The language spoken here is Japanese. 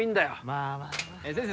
まあまあまあ先生